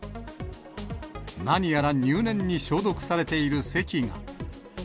何やら入念に消毒されている席が。